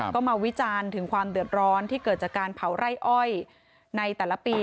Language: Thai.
ก็มาวิจารณ์ถึงความเดือดร้อนที่เกิดจากการเผาไร่อ้อยในแต่ละปี